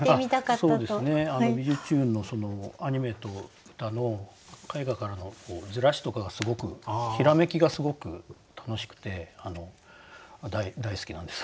そうですね「びじゅチューン！」のアニメと歌の絵画からのずらしとかがすごくひらめきがすごく楽しくて大好きなんです。